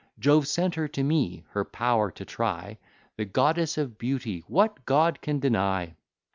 Jove sent her to me, her power to try; The Goddess of Beauty what God can deny?